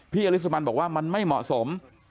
อลิสมันบอกว่ามันไม่เหมาะสม